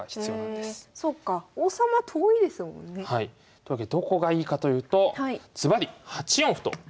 というわけでどこがいいかというとずばり８四歩と。